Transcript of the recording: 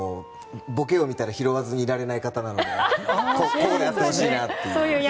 ボケを見たら拾わずにいられない方なのでこうであってほしいなと。